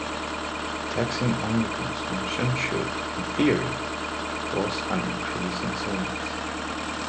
Taxing only consumption should, in theory, cause an increase in savings.